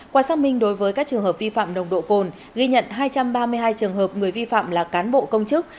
qua xác minh đối với các trường hợp vi phạm nồng độ cồn ghi nhận hai trăm ba mươi hai trường hợp người vi phạm là cán bộ công chức